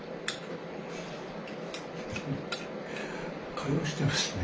会話してますね。